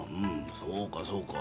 そうかそうか。